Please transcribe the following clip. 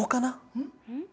うん？